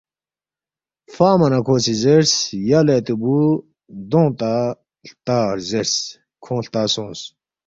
فنگما نہ کھو سی زیرس، ”یلے اتی بُو دونگ ہلتا“ زیرس کھونگ ہلتا سونگس